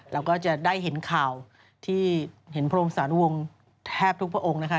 เราก็จะได้เห็นข่าวที่เห็นพระองค์สารวงศ์แทบทุกพระองค์นะคะ